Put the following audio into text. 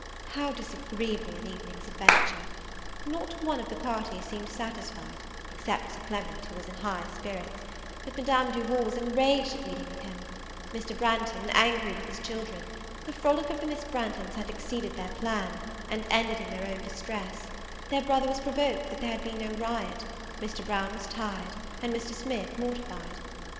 How disagreeable an evening's adventure! not one of the party seemed satisfied, except Sir Clement, who was in high spirits: but Madame Duval was enraged at meeting with him; Mr. Branghton, angry with his children; the frolic of the Miss Branghtons had exceeded their plan, and ended in their own distress; their brother was provoked that there had been no riot; Mr. Brown was tired, and Mr. Smith mortified.